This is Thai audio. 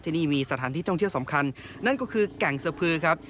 ที่นี่มีสถานที่ท่องเที่ยวสำคัญนั่นก็คือแก่งสะพือครับ